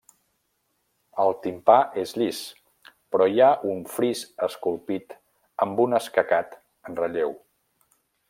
El timpà és llis, però hi ha un fris esculpit amb un escacat en relleu.